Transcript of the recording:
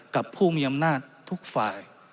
กับผู้มีอำนาจทุกฝ่าย